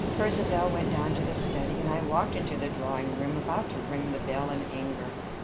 Percivale went down to the study; and I walked into the drawing room, about to ring the bell in anger.